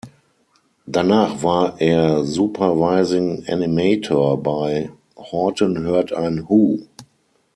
Danach war er „Supervising Animator“ bei "Horton hört ein Hu!